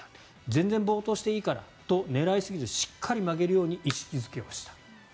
全然暴投していいからと狙いすぎずしっかり曲げるように意識付けをした。